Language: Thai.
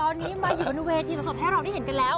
ตอนนี้มาอยู่บนเวทีสดให้เราได้เห็นกันแล้ว